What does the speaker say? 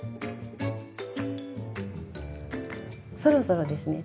そろそろですね。